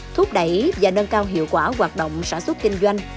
thúc đẩy và nâng cao hiệu quả hoạt động sản xuất kinh doanh